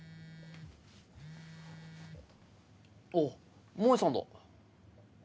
あっ萌さんだ。